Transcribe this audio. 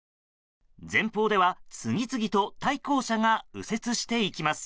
前方では次々と対向車が右折していきます。